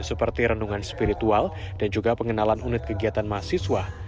seperti rendungan spiritual dan juga pengenalan unit kegiatan mahasiswa